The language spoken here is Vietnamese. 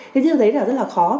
thế nhưng thấy là rất là khó